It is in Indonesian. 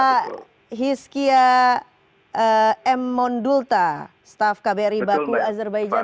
pak hiskia m mondulta staff kbri baku azerbaijan